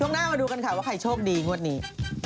หน้ามาดูกันค่ะว่าใครโชคดีงวดนี้